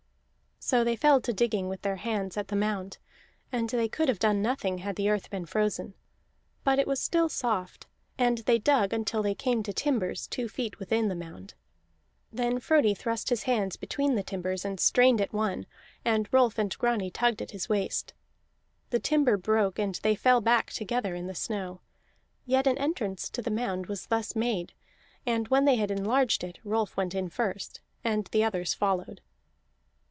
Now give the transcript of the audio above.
So they fell to digging with their hands at the mound, and they could have done nothing had the earth been frozen. But it was still soft; and they dug until they came to timbers, two feet within the mound. Then Frodi thrust his hands between the timbers, and strained at one, and Rolf and Grani tugged at his waist. The timber broke, and they fell back together in the snow; yet an entrance to the mound was thus made, and when they had enlarged it Rolf went in first, and the others followed.